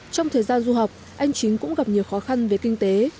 trong thời gian du học anh chính cũng gặp nhiều khó khăn về kinh tế